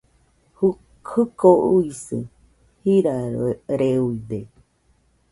Jɨko uisɨ jirareoide